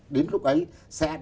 đến lúc ấy sẽ đổi